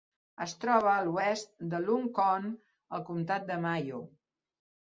Es troba a l'oest de Lough Conn al comtat de Mayo.